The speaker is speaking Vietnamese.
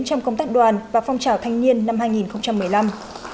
trong công tác đoàn và phong trào thanh niên năm hai nghìn một mươi năm